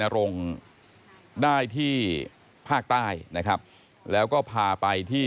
รงค์ได้ที่ภาคใต้นะครับแล้วก็พาไปที่